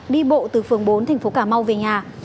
đi bộ từ phường bốn tp cà mau về nhà